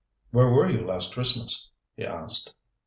"Where were you last Christmas?" he asked.